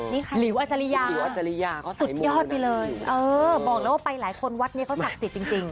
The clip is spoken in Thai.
นี่ใครสุดยอดไปเลยเออบอกแล้วว่าไปหลายคนวัดนี้เขาสักจิตจริง